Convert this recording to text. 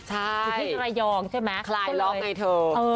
ใช่อยู่ที่สระยองใช่ไหมคลายล้อมให้เธอ